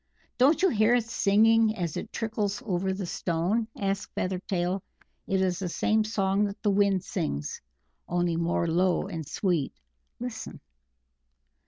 "Don't you hear it singing as it trickles over the stone?" asked Feathertail. "It is the same song that the Wind sings, only more low and sweet.... Listen!"